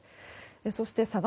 そして佐川